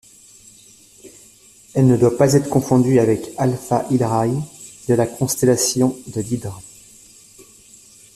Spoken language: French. Elle ne doit pas être confondue avec Alpha Hydrae de la constellation de l'Hydre.